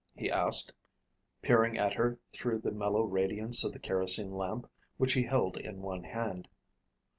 he asked, peering at her through the mellow radiance of the kerosene lamp which he held in one hand.